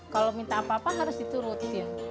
kalau minta apa apa harus diturutin